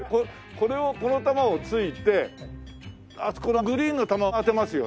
これをこの球を突いてあそこのグリーンの球当てますよね。